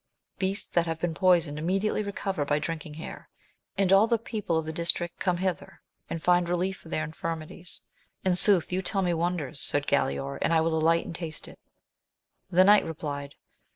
Beasts that have been poisoned imme diately recover by drinking here, and all the people of the district come hither, and find relief for their infirmities. In sooth you tell me wonders, said Ga laor, and I will alight and taste it. The knight replied.